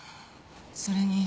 それに。